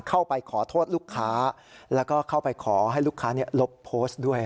เข้าไปขอโทษลูกค้าแล้วก็เข้าไปขอให้ลูกค้าลบโพสต์ด้วย